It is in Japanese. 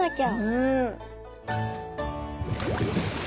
うん。